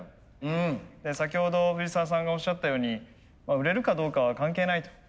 先ほど藤澤さんがおっしゃったように売れるかどうかは関係ないと。